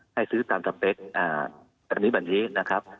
ให้ซื้อตามสเปคอันนี้แบบนี้นะครับ